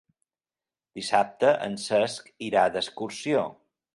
Dissabte en Cesc irà d'excursió.